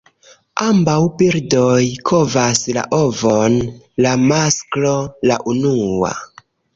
Ambaŭ birdoj kovas la ovon; la masklo la unua.